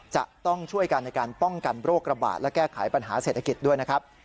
จะต้องช่วยกันในการป้องกันโรคระบาดและแก้ไขปัญหาเศรษฐกิจด้วยนะครับ